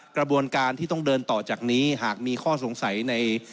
กระบวนการที่ต้องเดินต่อจากนี้หากมีข้อสงสัยใน